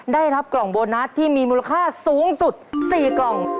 ได้รับกล่องโบนัสที่มีมูลค่าสูงสุด๔กล่อง